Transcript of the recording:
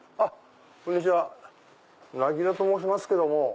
こんにちはなぎらと申します。